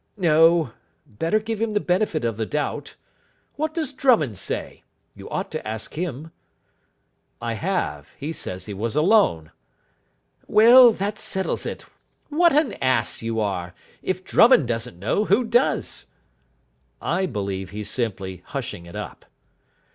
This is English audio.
"No. Better give him the benefit of the doubt. What does Drummond say? You ought to ask him." "I have. He says he was alone." "Well, that settles it. What an ass you are. If Drummond doesn't know, who does?" "I believe he's simply hushing it up."